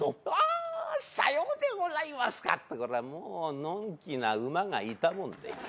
あさようでございますかともうのんきな馬がいたもんで。